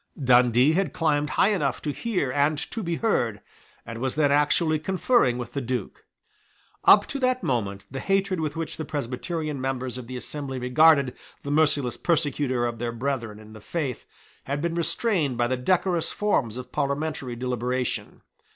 Dundee had climbed high enough to hear and to be heard, and was then actually conferring with the Duke. Up to that moment the hatred with which the Presbyterian members of the assembly regarded the merciless persecutor of their brethren in the faith had been restrained by the decorous forms of parliamentary deliberation.